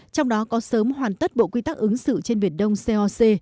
trong đó có sớm hoàn tất bộ quy tắc ứng xử trên biển đông coc